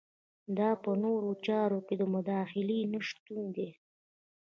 دا په نورو چارو کې د مداخلې نشتون دی.